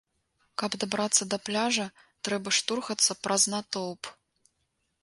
Каб дабрацца да пляжа, трэба штурхацца праз натоўп.